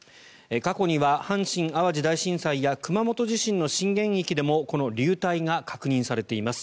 過去には阪神・淡路大震災や熊本地震の震源域でもこの流体が確認されています。